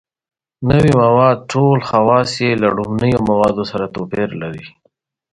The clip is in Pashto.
نوي مواد ټول خواص یې له لومړنیو موادو سره توپیر لري.